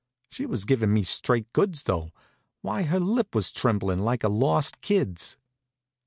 She was giving me straight goods, though. Why, her lip was tremblin' like a lost kid's.